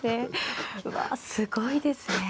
うわすごいですね。